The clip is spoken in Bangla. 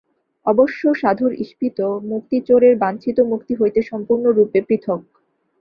অবশ্য সাধুর ঈপ্সিত মুক্তি চোরের বাঞ্ছিত মুক্তি হইতে সম্পূর্ণরূপে পৃথক্।